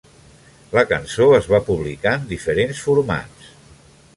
La cançó es va publicar en diferents formats.